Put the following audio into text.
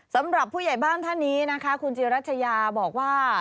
สำหรับผู้ใหญ่บ้านท่านนี้นะคะคุณจิรัชยาบอกว่า